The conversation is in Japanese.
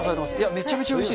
めちゃめちゃうれしい。